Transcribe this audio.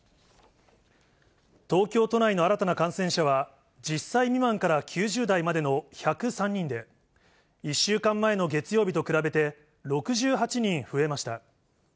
東京都内の新たな感染者は、１０歳未満から９０代までの１０３人で、１週間前の月曜日と比べて、６８人増えました。